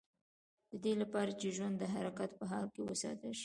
د دې لپاره چې ژوند د حرکت په حال کې وساتل شي.